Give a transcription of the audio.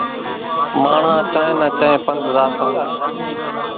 ماڻۿان چانئين نان چانئين پنڌ زاتان۔